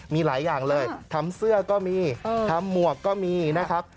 มีหลายอย่างเลยทำเสื้อก็มีทำหมวกก็มีนะครับ